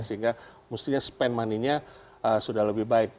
sehingga mestinya spend money nya sudah lebih baik